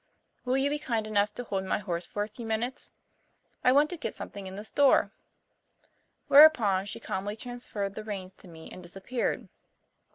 Will you be kind enough to hold my horse for a few minutes? I want to get something in the store." Whereupon she calmly transferred the reins to me and disappeared.